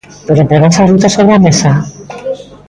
Pero, poranse as rutas sobre a mesa?